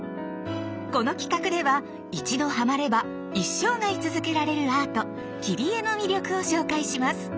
この企画では一度ハマれば一生涯続けられるアート「切り絵」の魅力を紹介します。